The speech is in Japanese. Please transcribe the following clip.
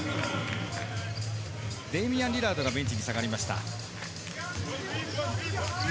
デイミアン・リラードがベンチに下がりました。